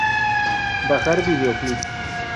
Bajar video clip